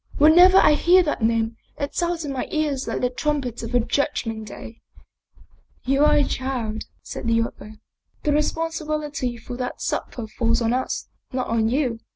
Whenever I hear that name, it sounds in my ears like the trumpet of the judg ment day." " You are a child," said the other. " The responsibility for that supper falls on us, not on you.